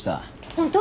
本当？